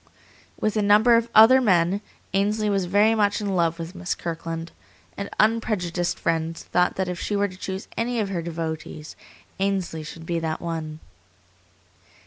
With a number of other men, Ainsley was very much in love with Miss Kirkland, and unprejudiced friends thought that if she were to choose any of her devotees, Ainsley should be that one.